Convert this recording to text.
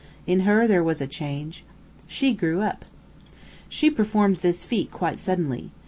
In her there was a change. She grew up. She performed this feat quite suddenly.